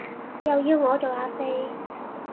又要我做呀四